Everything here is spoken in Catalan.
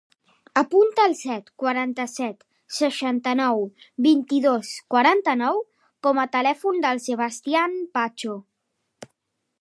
Apunta el set, quaranta-set, seixanta-nou, vint-i-dos, quaranta-nou com a telèfon del Sebastian Pacho.